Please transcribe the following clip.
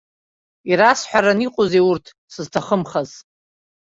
Ирасҳәаран иҟоузеи урҭ, сызҭахымхаз?